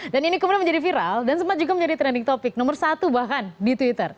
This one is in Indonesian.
dan ini kemudian menjadi viral dan sempat juga menjadi trending topic nomor satu bahkan di twitter